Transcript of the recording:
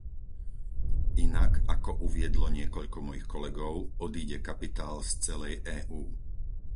Inak ako uviedlo niekoľko mojich kolegov, odíde kapitál z celej EÚ.